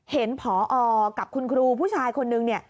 เห็นผอกับคุณครูผู้ชายคนหนึ่ง